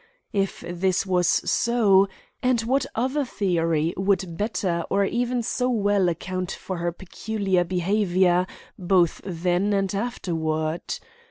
If this was so—and what other theory would better or even so well account for her peculiar behavior both then and afterward?